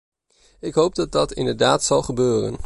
Ik hoop dat dat inderdaad zal gebeuren.